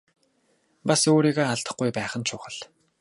Бас өөрийгөө алдахгүй байх нь чухал.